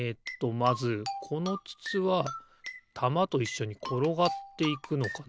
まずこのつつはたまといっしょにころがっていくのかな。